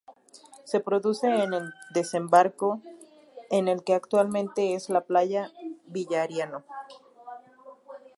Se produce el desembarco en lo que actualmente es la playa Villarino.